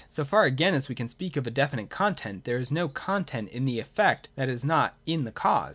So far again as we can speak of a definite content, there is no content in the effect that is not in the cause.